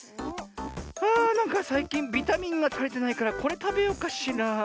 あなんかさいきんビタミンがたりてないからこれたべようかしら。